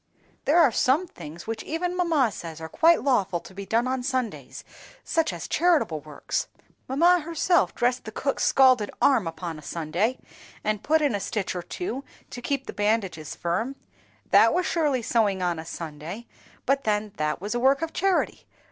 "There are some things which even mamma says are quite lawful to be done on Sundays, such as charitable works. Mamma herself dressed the cook's scalded arm upon a Sunday, and put in a stitch or two to keep the bandages firm. That was surely sewing on a Sunday, but then that was a work of charity.